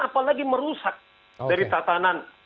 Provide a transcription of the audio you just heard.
apalagi merusak dari tatanan